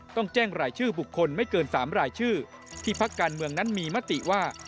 ต้องแจ้งรายชื่อบุคคลไม่เกิน๓รายชื่อที่พักการเมืองนั้นมีมติว่า